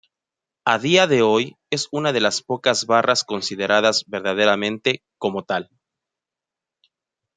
A día de hoy es una de las pocas barras consideradas verdaderamente como tal.